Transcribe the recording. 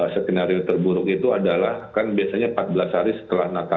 skenario terburuk itu adalah kan biasanya empat belas hari setelah nakas